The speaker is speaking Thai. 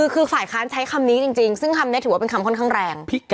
คือฝ่ายค้านใช้คำนี้จริงซึ่งคำนี้ถือว่าเป็นคำค่อนข้างแรง